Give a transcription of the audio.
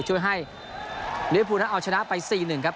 ช่วยให้เหลือผู้นั้นเอาชนะไป๔๑ครับ